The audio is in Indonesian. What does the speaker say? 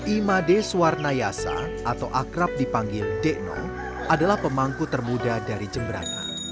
imades warna yasa atau akrab dipanggil dekno adalah pemangku termuda dari jemberana